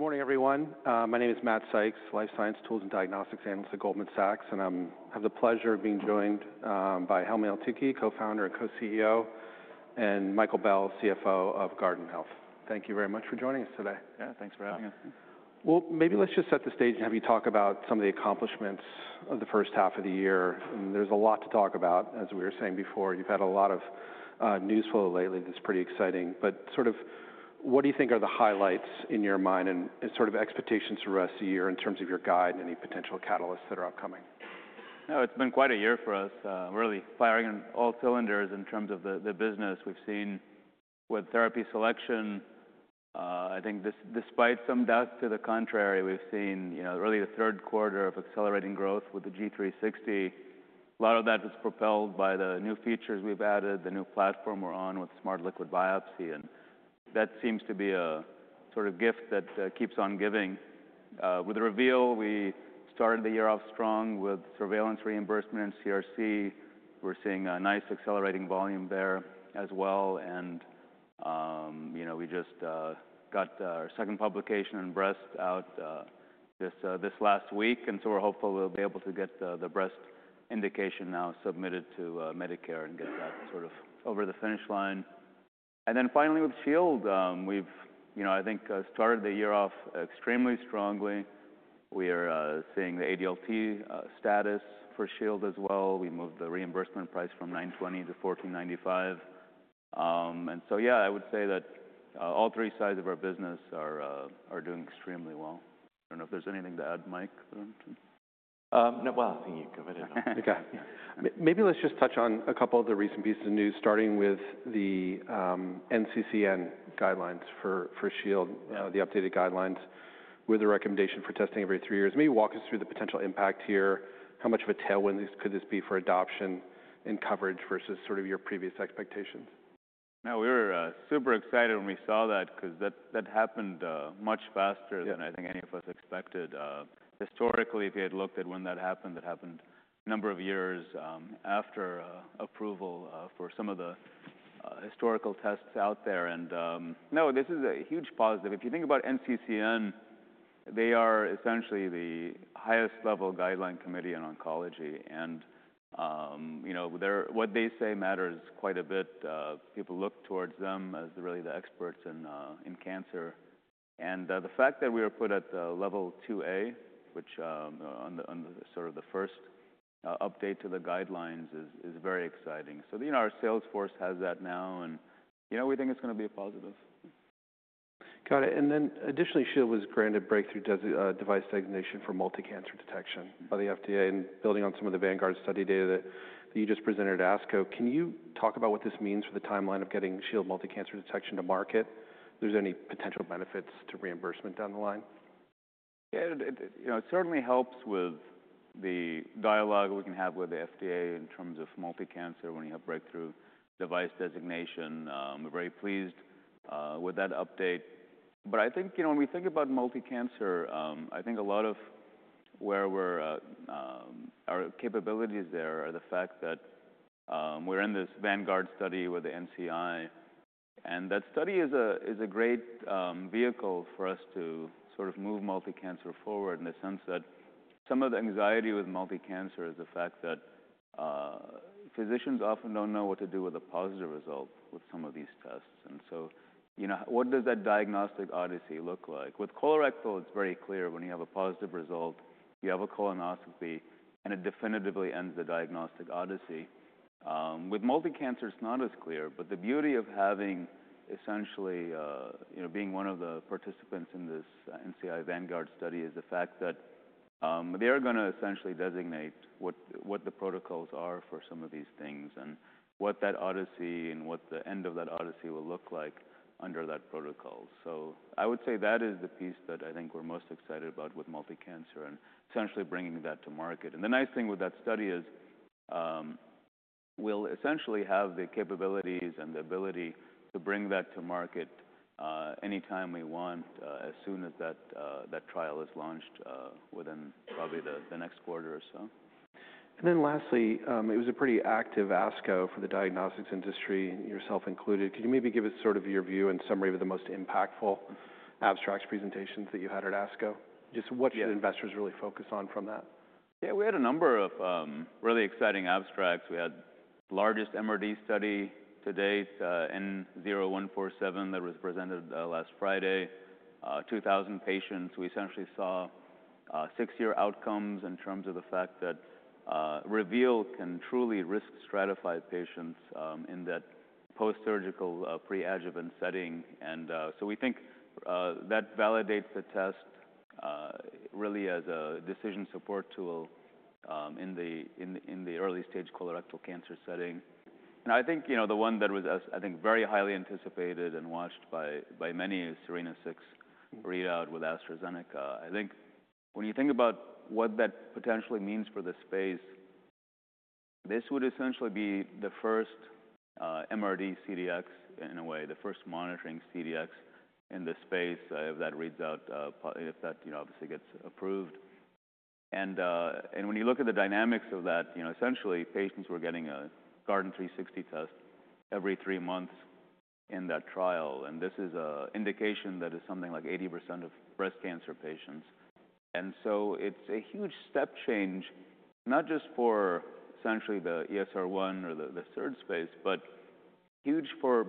Good morning, everyone. My name is Matt Sykes, Life Science Tools and Diagnostics Analyst at Goldman Sachs, and I have the pleasure of being joined by Helmy Eltoukhy, Co-founder and Co-CEO, and Michael Bell, CFO of Guardant Health. Thank you very much for joining us today. Yeah, thanks for having us. Maybe let's just set the stage and have you talk about some of the accomplishments of the first half of the year. There's a lot to talk about. As we were saying before, you've had a lot of news flow lately. That's pretty exciting. What do you think are the highlights in your mind and expectations for us here in terms of your guide and any potential catalysts that are upcoming? No, it's been quite a year for us, really firing all cylinders in terms of the business. We've seen with therapy selection, I think despite some doubts to the contrary, we've seen really the third quarter of accelerating growth with the G360. A lot of that is propelled by the new features we've added, the new platform we're on with smart liquid biopsy. That seems to be a sort of gift that keeps on giving. With the Reveal, we started the year off strong with surveillance reimbursement and CRC. We're seeing a nice accelerating volume there as well. We just got our second publication in breast out this last week. We are hopeful we'll be able to get the breast indication now submitted to Medicare and get that sort of over the finish line. Finally, with Shield, we've, I think, started the year off extremely strongly. We are seeing the ADLT status for Shield as well. We moved the reimbursement price from $920 to $1,495. I would say that all three sides of our business are doing extremely well. I do not know if there is anything to add, Mike. No, I think you covered it. Okay. Maybe let's just touch on a couple of the recent pieces of news, starting with the NCCN guidelines for Shield, the updated guidelines with the recommendation for testing every three years. Maybe walk us through the potential impact here. How much of a tailwind could this be for adoption and coverage versus sort of your previous expectations? No, we were super excited when we saw that because that happened much faster than I think any of us expected. Historically, if you had looked at when that happened, that happened a number of years after approval for some of the historical tests out there. No, this is a huge positive. If you think about NCCN, they are essentially the highest level guideline committee in oncology. What they say matters quite a bit. People look towards them as really the experts in cancer. The fact that we were put at level 2A, which on sort of the first update to the guidelines is very exciting. Our sales force has that now. We think it's going to be a positive. Got it. And then additionally, Shield was granted breakthrough device designation for multi-cancer detection by the FDA and building on some of the Vanguard study data that you just presented at ASCO. Can you talk about what this means for the timeline of getting Shield multi-cancer detection to market? There's any potential benefits to reimbursement down the line? Yeah, it certainly helps with the dialogue we can have with the FDA in terms of multi-cancer when you have breakthrough device designation. We're very pleased with that update. I think when we think about multi-cancer, I think a lot of where our capabilities there are the fact that we're in this Vanguard study with the NCI. That study is a great vehicle for us to sort of move multi-cancer forward in the sense that some of the anxiety with multi-cancer is the fact that physicians often don't know what to do with a positive result with some of these tests. What does that diagnostic odyssey look like? With colorectal, it's very clear when you have a positive result, you have a colonoscopy, and it definitively ends the diagnostic odyssey. With multi-cancer, it's not as clear. The beauty of having essentially being one of the participants in this NCI Vanguard study is the fact that they are going to essentially designate what the protocols are for some of these things and what that odyssey and what the end of that odyssey will look like under that protocol. I would say that is the piece that I think we're most excited about with multi-cancer and essentially bringing that to market. The nice thing with that study is we'll essentially have the capabilities and the ability to bring that to market anytime we want as soon as that trial is launched within probably the next quarter or so. Lastly, it was a pretty active ASCO for the diagnostics industry, yourself included. Could you maybe give us sort of your view and summary of the most impactful abstracts presentations that you had at ASCO? Just what should investors really focus on from that? Yeah, we had a number of really exciting abstracts. We had the largest MRD study to date, N0147, that was presented last Friday, 2,000 patients. We essentially saw six-year outcomes in terms of the fact that Reveal can truly risk stratify patients in that post-surgical pre-adjuvant setting. We think that validates the test really as a decision support tool in the early stage colorectal cancer setting. I think the one that was, I think, very highly anticipated and watched by many is SERENA-6 readout with AstraZeneca. I think when you think about what that potentially means for the space, this would essentially be the first MRD CDX, in a way, the first monitoring CDX in the space if that reads out, if that obviously gets approved. When you look at the dynamics of that, essentially, patients were getting a Guardant 360 test every three months in that trial. This is an indication that is something like 80% of breast cancer patients. It is a huge step change, not just for essentially the ESR1 or the SIRT space, but huge for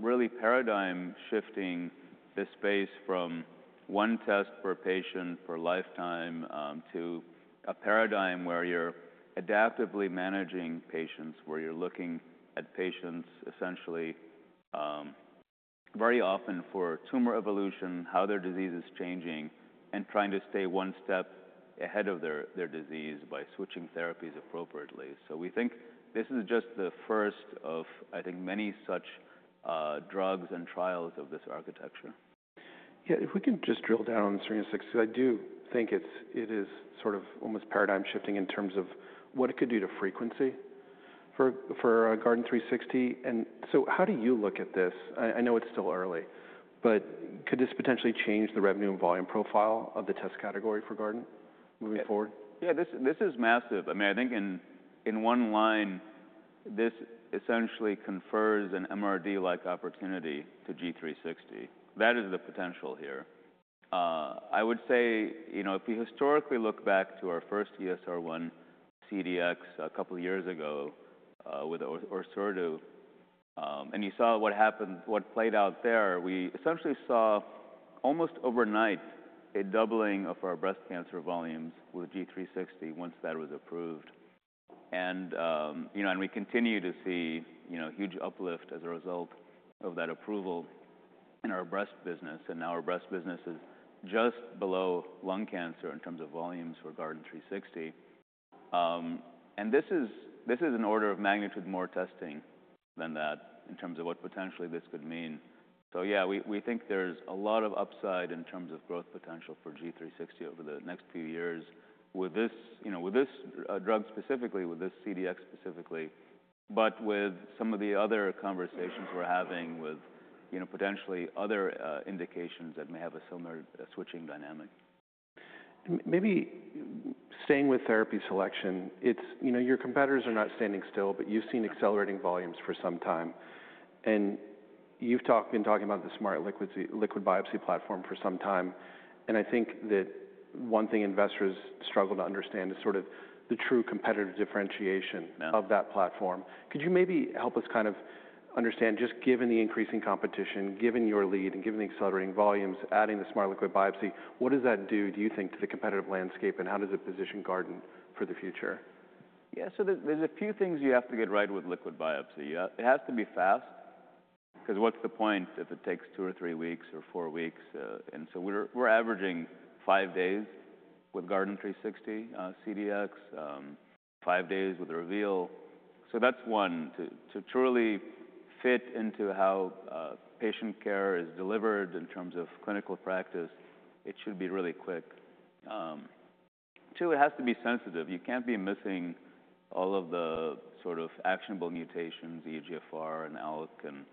really paradigm shifting the space from one test per patient per lifetime to a paradigm where you're adaptively managing patients, where you're looking at patients essentially very often for tumor evolution, how their disease is changing, and trying to stay one step ahead of their disease by switching therapies appropriately. We think this is just the first of, I think, many such drugs and trials of this architecture. Yeah, if we can just drill down on SERENA-6, because I do think it is sort of almost paradigm shifting in terms of what it could do to frequency for Guardant 360. And so how do you look at this? I know it's still early, but could this potentially change the revenue and volume profile of the test category for Guardant moving forward? Yeah, this is massive. I mean, I think in one line, this essentially confers an MRD-like opportunity to G360. That is the potential here. I would say if we historically look back to our first ESR1 CDX a couple of years ago with Orserdu, and you saw what played out there, we essentially saw almost overnight a doubling of our breast cancer volumes with G360 once that was approved. We continue to see huge uplift as a result of that approval in our breast business. Now our breast business is just below lung cancer in terms of volumes for Guardant 360. This is an order of magnitude more testing than that in terms of what potentially this could mean. Yeah, we think there's a lot of upside in terms of growth potential for G360 over the next few years with this drug specifically, with this CDX specifically, but with some of the other conversations we're having with potentially other indications that may have a similar switching dynamic. Maybe staying with therapy selection, your competitors are not standing still, but you've seen accelerating volumes for some time. You've been talking about the smart liquid biopsy platform for some time. I think that one thing investors struggle to understand is sort of the true competitive differentiation of that platform. Could you maybe help us kind of understand, just given the increasing competition, given your lead, and given the accelerating volumes, adding the smart liquid biopsy, what does that do, do you think, to the competitive landscape? How does it position Guardant for the future? Yeah, so there's a few things you have to get right with liquid biopsy. It has to be fast because what's the point if it takes two or three weeks or four weeks? We're averaging five days with Guardant 360 CDx, five days with Reveal. That's one. To truly fit into how patient care is delivered in terms of clinical practice, it should be really quick. Two, it has to be sensitive. You can't be missing all of the sort of actionable mutations, EGFR and ALK and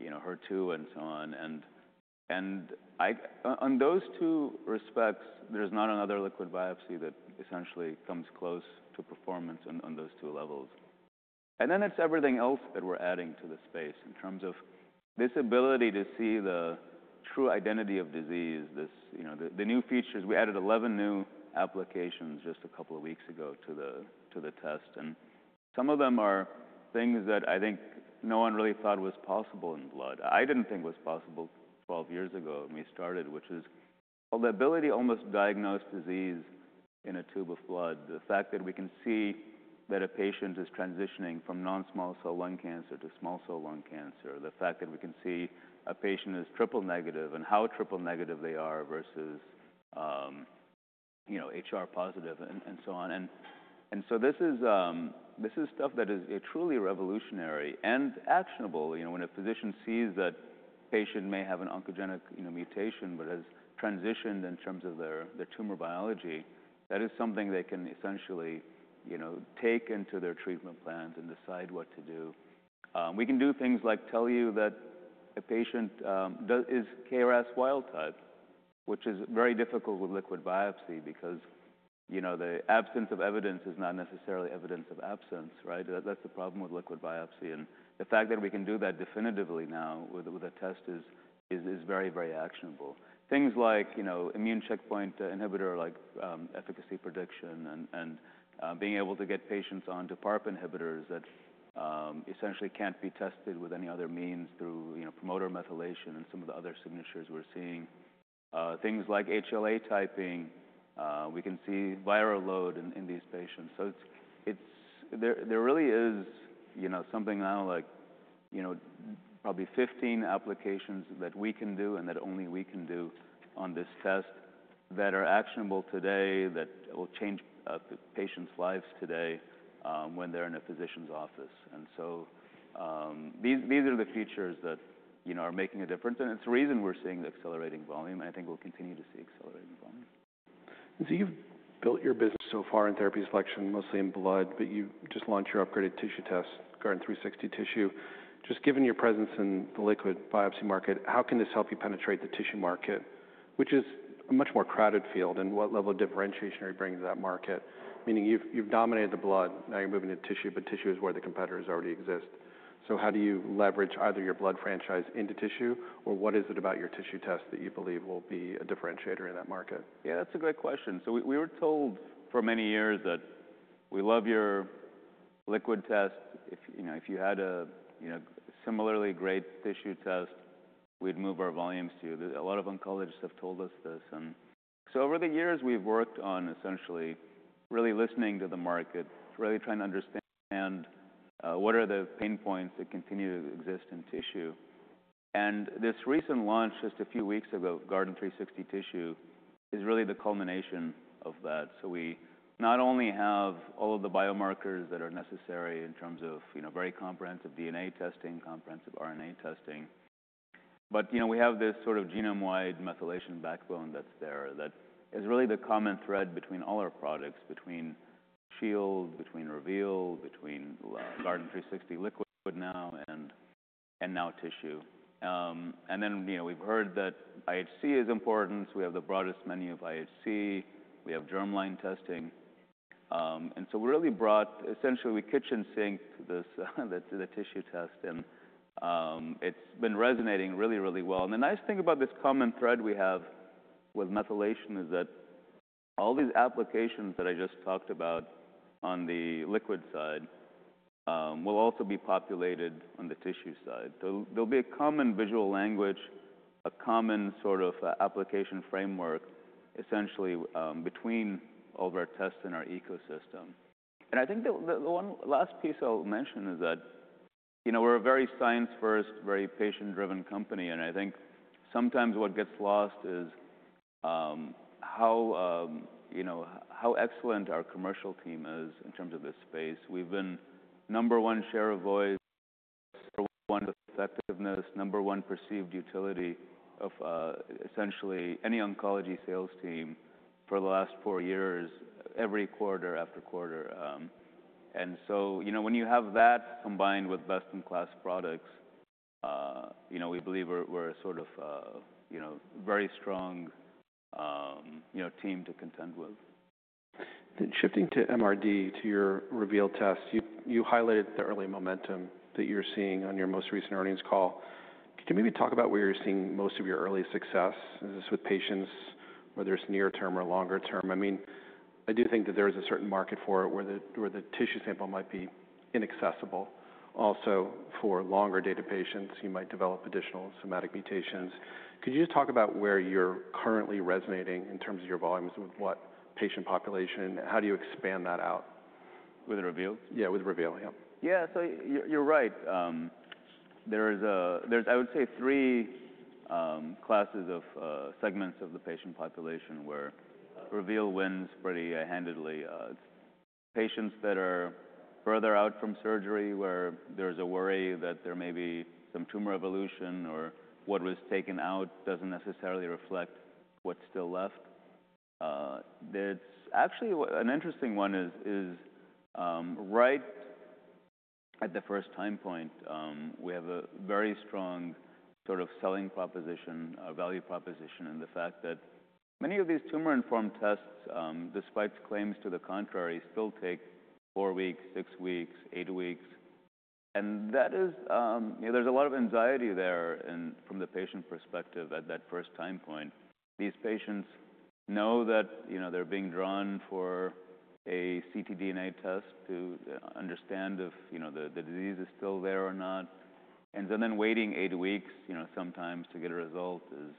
HER2 and so on. On those two respects, there's not another liquid biopsy that essentially comes close to performance on those two levels. Then it's everything else that we're adding to the space in terms of this ability to see the true identity of disease, the new features. We added 11 new applications just a couple of weeks ago to the test. Some of them are things that I think no one really thought was possible in blood. I did not think it was possible 12 years ago when we started, which is called the ability to almost diagnose disease in a tube of blood, the fact that we can see that a patient is transitioning from non-small cell lung cancer to small cell lung cancer, the fact that we can see a patient is triple negative and how triple negative they are versus HR positive and so on. This is stuff that is truly revolutionary and actionable. When a physician sees that patient may have an oncogenic mutation but has transitioned in terms of their tumor biology, that is something they can essentially take into their treatment plans and decide what to do. We can do things like tell you that a patient is KRAS wild type, which is very difficult with liquid biopsy because the absence of evidence is not necessarily evidence of absence, right? That is the problem with liquid biopsy. The fact that we can do that definitively now with a test is very, very actionable. Things like immune checkpoint inhibitor, like efficacy prediction, and being able to get patients on to PARP inhibitors that essentially cannot be tested with any other means through promoter methylation and some of the other signatures we are seeing. Things like HLA typing, we can see viral load in these patients. There really is something now like probably 15 applications that we can do and that only we can do on this test that are actionable today that will change patients' lives today when they are in a physician's office. These are the features that are making a difference. It is the reason we're seeing the accelerating volume. I think we'll continue to see accelerating volume. You have built your business so far in therapy selection, mostly in blood, but you just launched your upgraded tissue test, Guardant 360 Tissue. Given your presence in the liquid biopsy market, how can this help you penetrate the tissue market, which is a much more crowded field? What level of differentiation are you bringing to that market? You have dominated the blood, now you are moving to tissue, but tissue is where the competitors already exist. How do you leverage either your blood franchise into tissue, or what is it about your tissue test that you believe will be a differentiator in that market? Yeah, that's a great question. We were told for many years that we love your liquid test. If you had a similarly great tissue test, we'd move our volumes to you. A lot of oncologists have told us this. Over the years, we've worked on essentially really listening to the market, really trying to understand what are the pain points that continue to exist in tissue. This recent launch just a few weeks ago of Guardant 360 Tissue is really the culmination of that. We not only have all of the biomarkers that are necessary in terms of very comprehensive DNA testing, comprehensive RNA testing, but we have this sort of genome-wide methylation backbone that's there that is really the common thread between all our products, between Shield, between Reveal, between Guardant 360 Liquid now and now Tissue. We have heard that IHC is important. We have the broadest menu of IHC. We have germline testing. We really brought essentially, we kitchen sink the tissue test. It has been resonating really, really well. The nice thing about this common thread we have with methylation is that all these applications that I just talked about on the liquid side will also be populated on the tissue side. There will be a common visual language, a common sort of application framework essentially between all of our tests and our ecosystem. I think the one last piece I will mention is that we are a very science-first, very patient-driven company. I think sometimes what gets lost is how excellent our commercial team is in terms of this space. have been number one share of voice, number one effectiveness, number one perceived utility of essentially any oncology sales team for the last four years, every quarter after quarter. When you have that combined with best-in-class products, we believe we are a sort of very strong team to contend with. Shifting to MRD, to your Reveal test, you highlighted the early momentum that you're seeing on your most recent earnings call. Could you maybe talk about where you're seeing most of your early success? Is this with patients, whether it's near-term or longer-term? I mean, I do think that there is a certain market for it where the tissue sample might be inaccessible. Also, for longer-dated patients, you might develop additional somatic mutations. Could you just talk about where you're currently resonating in terms of your volumes with what patient population? How do you expand that out? With Reveal? Yeah, with Reveal, yeah. Yeah, so you're right. There is, I would say, three classes of segments of the patient population where Reveal wins pretty handedly. It's patients that are further out from surgery where there's a worry that there may be some tumor evolution or what was taken out doesn't necessarily reflect what's still left. Actually, an interesting one is right at the first time point, we have a very strong sort of selling proposition, value proposition, and the fact that many of these tumor-informed tests, despite claims to the contrary, still take four weeks, six weeks, eight weeks. There's a lot of anxiety there from the patient perspective at that first time point. These patients know that they're being drawn for a ctDNA test to understand if the disease is still there or not. Then waiting eight weeks sometimes to get a result is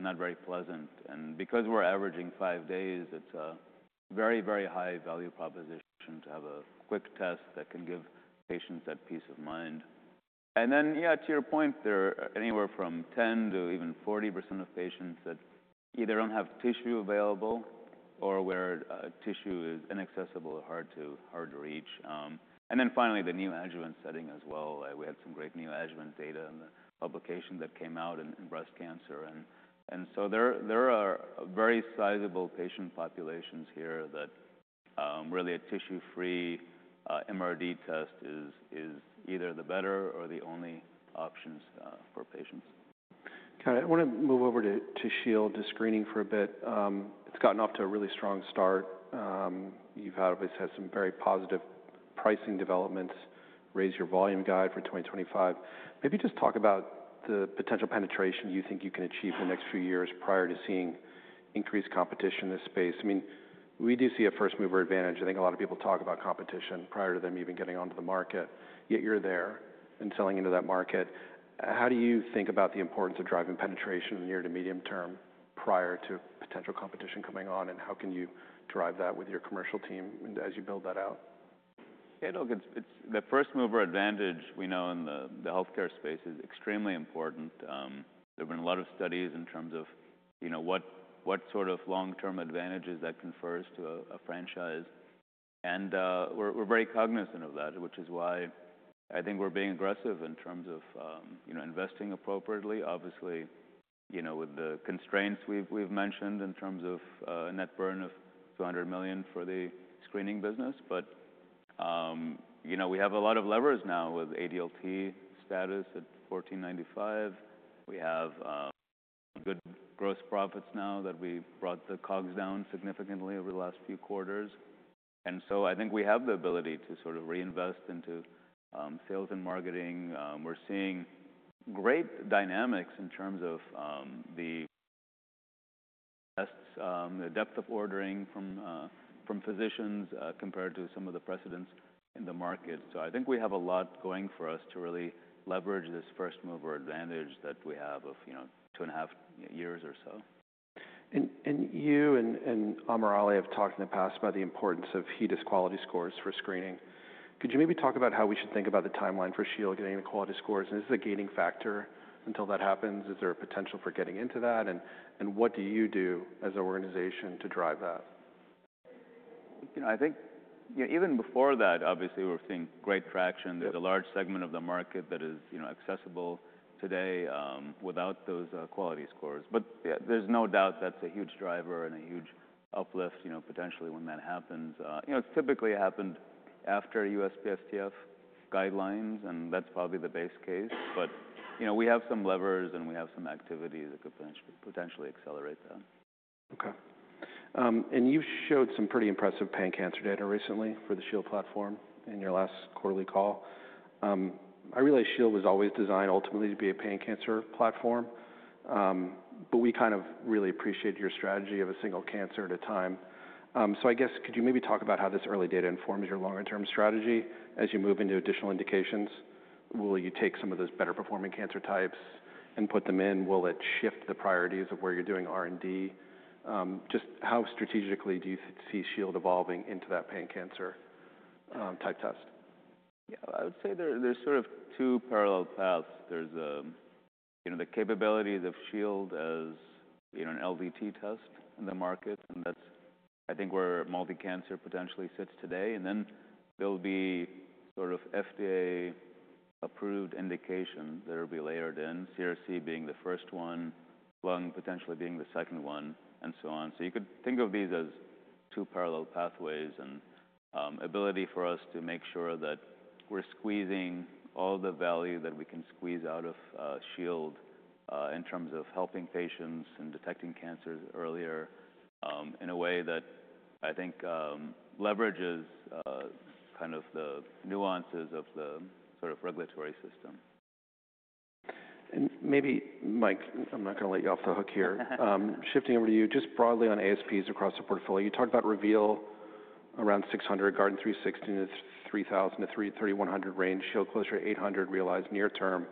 not very pleasant. Because we're averaging five days, it's a very, very high value proposition to have a quick test that can give patients that peace of mind. Yeah, to your point, there are anywhere from 10% to even 40% of patients that either don't have tissue available or where tissue is inaccessible or hard to reach. Finally, the new adjuvant setting as well. We had some great new adjuvant data in the publication that came out in breast cancer. There are very sizable patient populations here that really a tissue-free MRD test is either the better or the only options for patients. Got it. I want to move over to Shield, to screening for a bit. It's gotten off to a really strong start. You've obviously had some very positive pricing developments, raised your volume guide for 2025. Maybe just talk about the potential penetration you think you can achieve in the next few years prior to seeing increased competition in this space. I mean, we do see a first-mover advantage. I think a lot of people talk about competition prior to them even getting onto the market. Yet you're there and selling into that market. How do you think about the importance of driving penetration near to medium term prior to potential competition coming on? How can you drive that with your commercial team as you build that out? Yeah, look, the first-mover advantage we know in the healthcare space is extremely important. There have been a lot of studies in terms of what sort of long-term advantage is that confers to a franchise. We're very cognizant of that, which is why I think we're being aggressive in terms of investing appropriately, obviously, with the constraints we've mentioned in terms of net burn of $200 million for the screening business. We have a lot of levers now with ADLT status at $1,495. We have good gross profits now that we brought the COGS down significantly over the last few quarters. I think we have the ability to sort of reinvest into sales and marketing. We're seeing great dynamics in terms of the tests, the depth of ordering from physicians compared to some of the precedents in the market. I think we have a lot going for us to really leverage this first-mover advantage that we have of two and a half years or so. You and AmirAli have talked in the past about the importance of HEDIS quality scores for screening. Could you maybe talk about how we should think about the timeline for Shield getting the quality scores? Is it a gating factor until that happens? Is there a potential for getting into that? What do you do as an organization to drive that? I think even before that, obviously, we're seeing great traction. There's a large segment of the market that is accessible today without those quality scores. There's no doubt that's a huge driver and a huge uplift potentially when that happens. It's typically happened after USPSTF guidelines, and that's probably the base case. We have some levers, and we have some activities that could potentially accelerate that. Okay. You showed some pretty impressive pan cancer data recently for the Shield platform in your last quarterly call. I realize Shield was always designed ultimately to be a pan cancer platform, but we kind of really appreciate your strategy of a single cancer at a time. I guess, could you maybe talk about how this early data informs your longer-term strategy as you move into additional indications? Will you take some of those better-performing cancer types and put them in? Will it shift the priorities of where you're doing R&D? Just how strategically do you see Shield evolving into that pan cancer type test? Yeah, I would say there's sort of two parallel paths. There's the capabilities of Shield as an LDT test in the market. And that's, I think, where multicancer potentially sits today. Then there'll be sort of FDA-approved indications that will be layered in, CRC being the first one, lung potentially being the second one, and so on. You could think of these as two parallel pathways and ability for us to make sure that we're squeezing all the value that we can squeeze out of Shield in terms of helping patients and detecting cancers earlier in a way that I think leverages kind of the nuances of the sort of regulatory system. Maybe, Mike, I'm not going to let you off the hook here. Shifting over to you, just broadly on ASPs across the portfolio, you talked about Reveal around $600, Guardant 360 in the $3,000-$3,100 range, Shield closer to $800 realized near-term.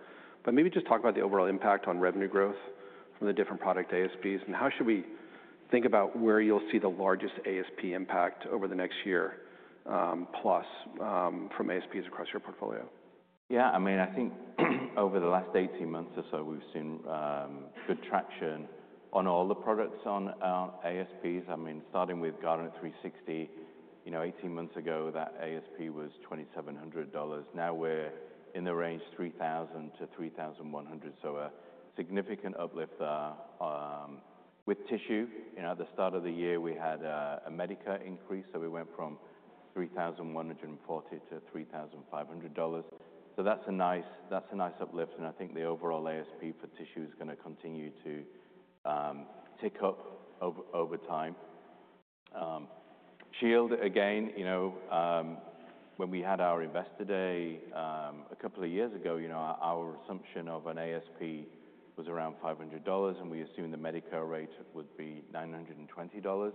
Maybe just talk about the overall impact on revenue growth from the different product ASPs. How should we think about where you'll see the largest ASP impact over the next year plus from ASPs across your portfolio? Yeah, I mean, I think over the last 18 months or so, we've seen good traction on all the products on our ASPs. I mean, starting with Guardant 360, 18 months ago, that ASP was $2,700. Now we're in the range $3,000-$3,100. A significant uplift there. With tissue, at the start of the year, we had a Medicare increase. We went from $3,140 to $3,500. That's a nice uplift. I think the overall ASP for tissue is going to continue to tick up over time. Shield, again, when we had our Investor Day a couple of years ago, our assumption of an ASP was around $500, and we assumed the Medicare rate would be $920.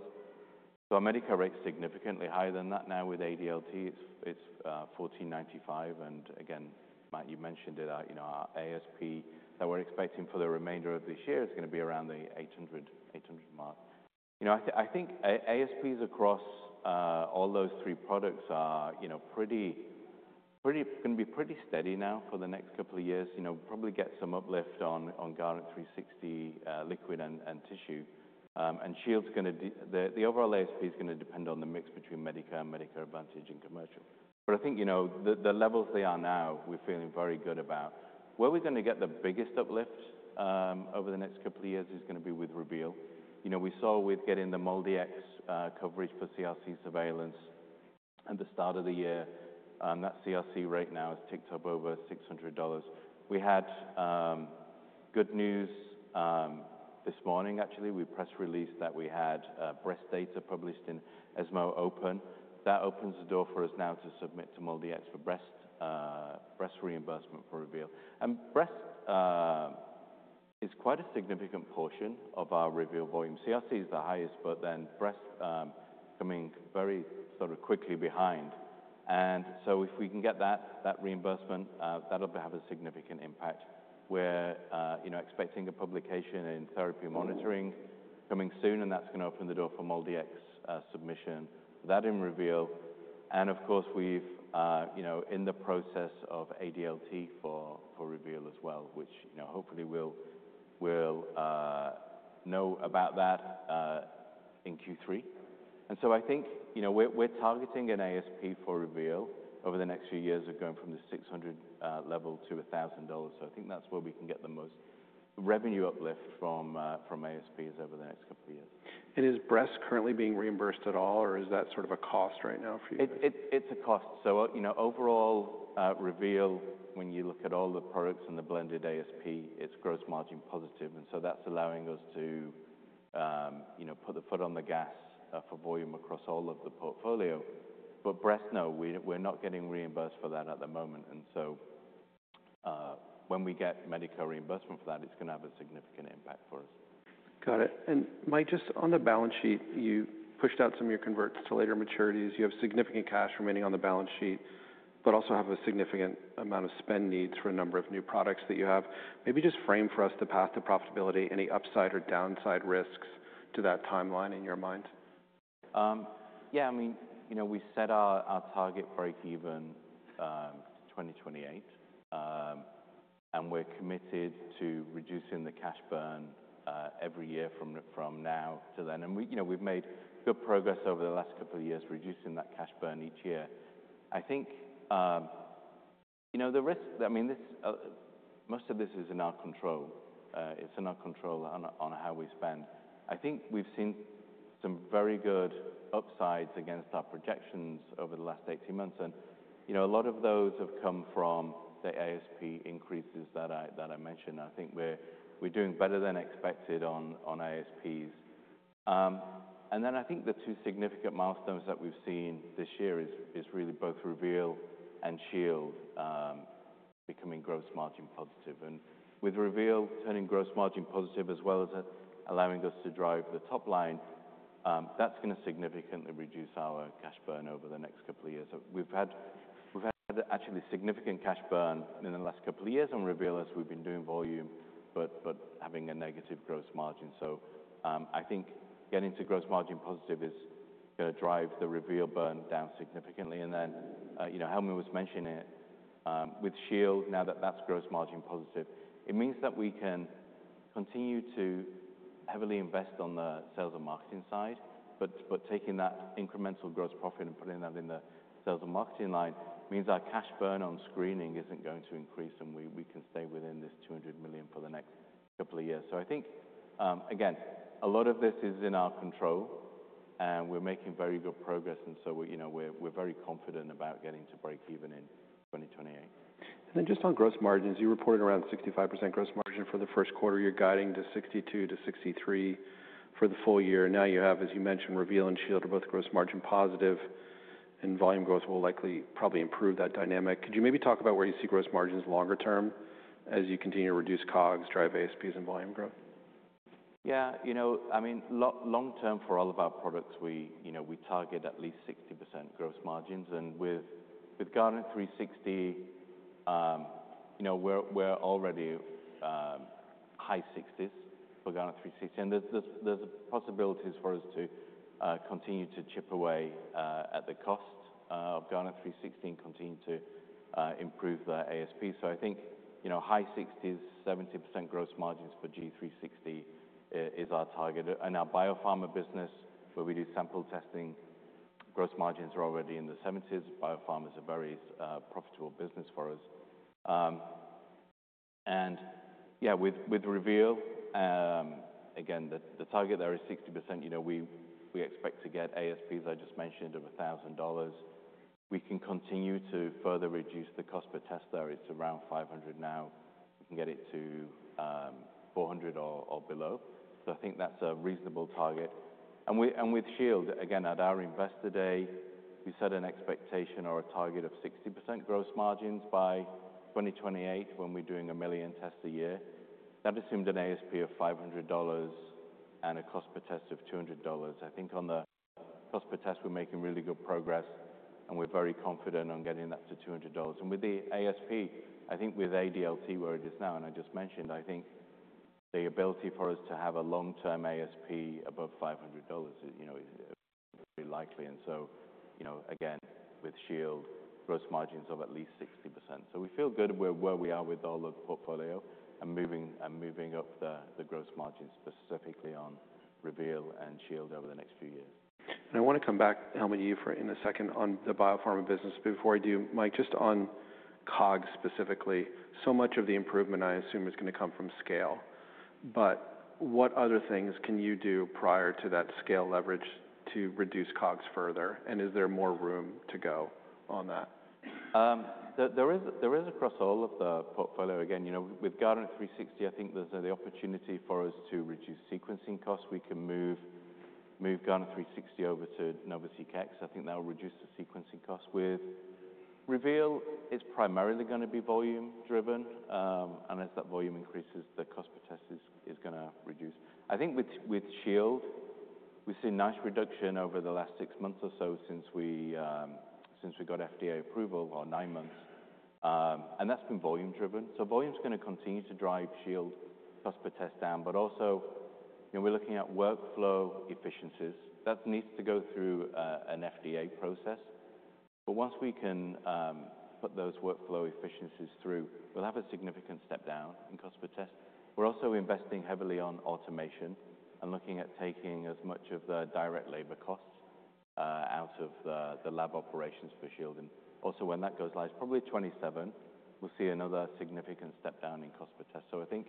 Our Medicare rate is significantly higher than that. Now with ADLT, it's $1,495. Again, Matt, you mentioned it, our ASP that we're expecting for the remainder of this year is going to be around the $800 mark. I think ASPs across all those three products are going to be pretty steady now for the next couple of years. We'll probably get some uplift on Guardant 360 liquid and tissue. Shield's going to, the overall ASP is going to depend on the mix between Medicare and Medicare Advantage and commercial. I think the levels they are now, we're feeling very good about. Where we're going to get the biggest uplift over the next couple of years is going to be with Reveal. We saw with getting the MolDX coverage for CRC surveillance at the start of the year, that CRC rate now has ticked up over $600. We had good news this morning, actually. We pressed release that we had breast data published in ESMO Open. That opens the door for us now to submit to MolDX for breast reimbursement for Reveal. And breast is quite a significant portion of our Reveal volume. CRC is the highest, but then breast coming very sort of quickly behind. If we can get that reimbursement, that'll have a significant impact. We're expecting a publication in Therapy Monitoring coming soon, and that's going to open the door for MolDX submission. That and Reveal. Of course, we're in the process of ADLT for Reveal as well, which hopefully we'll know about that in Q3. I think we're targeting an ASP for Reveal over the next few years of going from the $600 level to $1,000. I think that's where we can get the most revenue uplift from ASPs over the next couple of years. Is breast currently being reimbursed at all, or is that sort of a cost right now for you guys? It's a cost. Overall, Reveal, when you look at all the products and the blended ASP, it's gross margin positive. That's allowing us to put the foot on the gas for volume across all of the portfolio. Breast, no, we're not getting reimbursed for that at the moment. When we get Medicare reimbursement for that, it's going to have a significant impact for us. Got it. Mike, just on the balance sheet, you pushed out some of your converts to later maturities. You have significant cash remaining on the balance sheet, but also have a significant amount of spend needs for a number of new products that you have. Maybe just frame for us the path to profitability, any upside or downside risks to that timeline in your mind? Yeah, I mean, we set our target break-even 2028, and we're committed to reducing the cash burn every year from now to then. We've made good progress over the last couple of years reducing that cash burn each year. I think the risk, I mean, most of this is in our control. It's in our control on how we spend. I think we've seen some very good upsides against our projections over the last 18 months. A lot of those have come from the ASP increases that I mentioned. I think we're doing better than expected on ASPs. I think the two significant milestones that we've seen this year is really both Reveal and Shield becoming gross margin positive. With Reveal turning gross margin positive as well as allowing us to drive the top line, that is going to significantly reduce our cash burn over the next couple of years. We have had actually significant cash burn in the last couple of years on Reveal as we have been doing volume, but having a negative gross margin. I think getting to gross margin positive is going to drive the Reveal burn down significantly. Helmy was mentioning it with Shield, now that that is gross margin positive, it means that we can continue to heavily invest on the sales and marketing side. Taking that incremental gross profit and putting that in the sales and marketing line means our cash burn on screening is not going to increase, and we can stay within this $200 million for the next couple of years. I think, again, a lot of this is in our control, and we're making very good progress. We're very confident about getting to break-even in 2028. Just on gross margins, you reported around 65% gross margin for the first quarter. You're guiding to 62-63% for the full year. Now you have, as you mentioned, Reveal and Shield are both gross margin positive, and volume growth will likely probably improve that dynamic. Could you maybe talk about where you see gross margins longer term as you continue to reduce COGS, drive ASPs, and volume growth? Yeah, I mean, long term for all of our products, we target at least 60% gross margins. With Guardant 360, we're already high 60s for Guardant 360. There's possibilities for us to continue to chip away at the cost of Guardant 360 and continue to improve the ASP. I think high 60s, 70% gross margins for G360 is our target. Our biopharma business, where we do sample testing, gross margins are already in the 70s. Biopharma is a very profitable business for us. Yeah, with Reveal, again, the target there is 60%. We expect to get ASPs, I just mentioned, of $1,000. We can continue to further reduce the cost per test there. It's around $500 now. We can get it to $400 or below. I think that's a reasonable target. With Shield, again, at our Investor Day, we set an expectation or a target of 60% gross margins by 2028 when we're doing a million tests a year. That assumed an ASP of $500 and a cost per test of $200. I think on the cost per test, we're making really good progress, and we're very confident on getting that to $200. With the ASP, I think with ADLT, where it is now, and I just mentioned, I think the ability for us to have a long-term ASP above $500 is very likely. With Shield, gross margins of at least 60%. We feel good where we are with all the portfolio and moving up the gross margins specifically on Reveal and Shield over the next few years. I want to come back, Helmy and you, in a second on the biopharma business. Before I do, Mike, just on COGS specifically, so much of the improvement I assume is going to come from scale. What other things can you do prior to that scale leverage to reduce COGS further? Is there more room to go on that? There is across all of the portfolio. Again, with Guardant 360, I think there's the opportunity for us to reduce sequencing costs. We can move Guardant 360 over to NovaSeq X. I think that'll reduce the sequencing costs. With Reveal, it's primarily going to be volume-driven. As that volume increases, the cost per test is going to reduce. I think with Shield, we've seen nice reduction over the last six months or so since we got FDA approval, or nine months. That's been volume-driven. Volume's going to continue to drive Shield cost per test down. Also, we're looking at workflow efficiencies. That needs to go through an FDA process. Once we can put those workflow efficiencies through, we'll have a significant step down in cost per test. We're also investing heavily on automation and looking at taking as much of the direct labor costs out of the lab operations for Shield. Also, when that goes live, it's probably 2027. We'll see another significant step down in cost per test. I think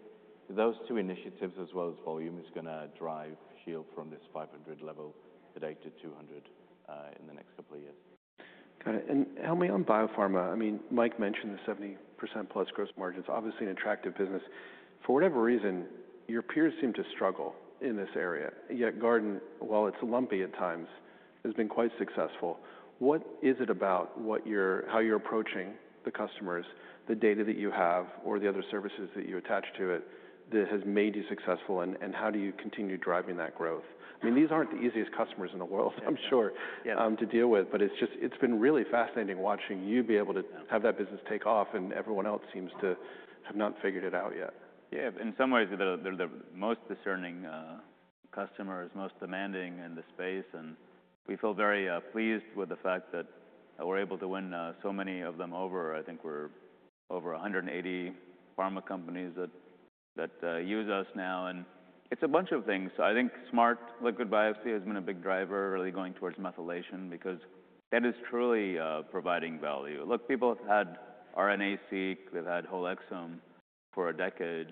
those two initiatives, as well as volume, are going to drive Shield from this $500 level today to $200 in the next couple of years. Got it. Helmy, on biopharma, I mean, Mike mentioned the 70%+ gross margins, obviously an attractive business. For whatever reason, your peers seem to struggle in this area. Yet Guardant, while it's lumpy at times, has been quite successful. What is it about how you're approaching the customers, the data that you have, or the other services that you attach to it that has made you successful? How do you continue driving that growth? I mean, these aren't the easiest customers in the world, I'm sure, to deal with. It's been really fascinating watching you be able to have that business take off, and everyone else seems to have not figured it out yet. Yeah, in some ways, they're the most discerning customers, most demanding in the space. We feel very pleased with the fact that we're able to win so many of them over. I think we're over 180 pharma companies that use us now. It's a bunch of things. I think smart liquid biopsy has been a big driver, really going towards methylation because that is truly providing value. Look, people have had RNA-seq. They've had whole exome for a decade.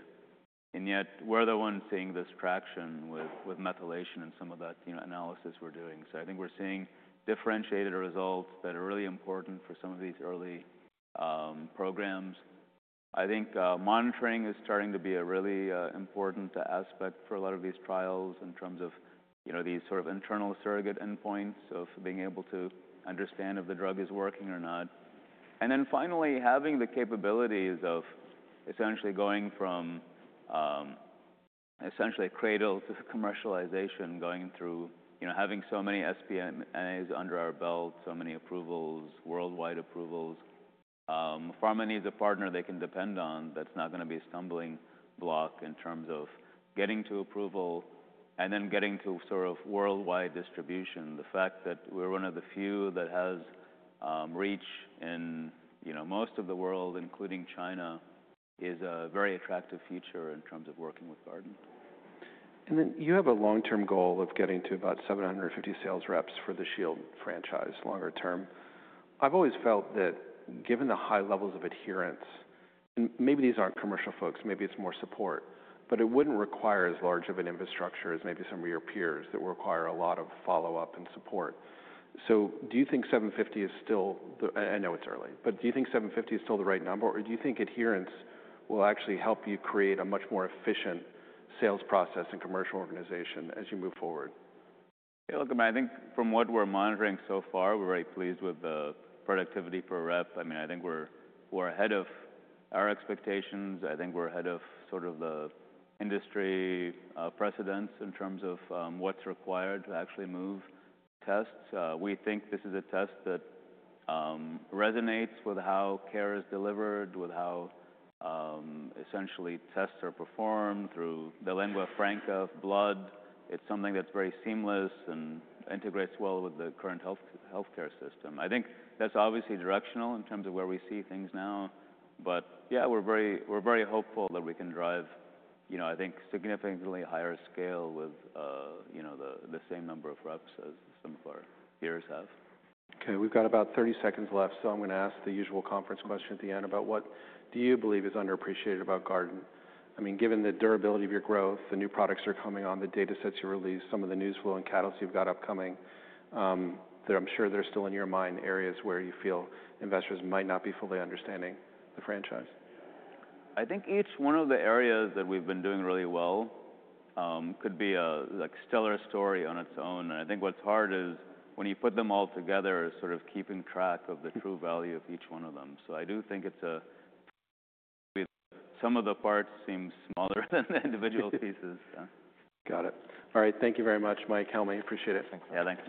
Yet we're the ones seeing this traction with methylation and some of that analysis we're doing. I think we're seeing differentiated results that are really important for some of these early programs. I think monitoring is starting to be a really important aspect for a lot of these trials in terms of these sort of internal surrogate endpoints of being able to understand if the drug is working or not. Finally, having the capabilities of essentially going from essentially a cradle to commercialization, going through having so many SPMAs under our belt, so many approvals, worldwide approvals. Pharma needs a partner they can depend on that's not going to be a stumbling block in terms of getting to approval and then getting to sort of worldwide distribution. The fact that we're one of the few that has reach in most of the world, including China, is a very attractive future in terms of working with Guardant. You have a long-term goal of getting to about 750 sales reps for the Shield franchise longer term. I've always felt that given the high levels of adherence, and maybe these aren't commercial folks, maybe it's more support, but it wouldn't require as large of an infrastructure as maybe some of your peers that require a lot of follow-up and support. Do you think 750 is still, I know it's early, but do you think 750 is still the right number? Or do you think adherence will actually help you create a much more efficient sales process and commercial organization as you move forward? Look, I mean, I think from what we're monitoring so far, we're very pleased with the productivity per rep. I mean, I think we're ahead of our expectations. I think we're ahead of sort of the industry precedents in terms of what's required to actually move tests. We think this is a test that resonates with how care is delivered, with how essentially tests are performed through the lingua franca of blood. It's something that's very seamless and integrates well with the current healthcare system. I think that's obviously directional in terms of where we see things now. Yeah, we're very hopeful that we can drive, I think, significantly higher scale with the same number of reps as some of our peers have. Okay, we've got about 30 seconds left, so I'm going to ask the usual conference question at the end about what do you believe is underappreciated about Guardant? I mean, given the durability of your growth, the new products are coming on, the data sets you release, some of the news flow and catalysts you've got upcoming, that I'm sure there's still in your mind areas where you feel investors might not be fully understanding the franchise? I think each one of the areas that we've been doing really well could be a stellar story on its own. I think what's hard is when you put them all together, sort of keeping track of the true value of each one of them. I do think it's a sum of the parts seem smaller than the individual pieces. Got it. All right, thank you very much, Mike, Helmy. Appreciate it. Thanks.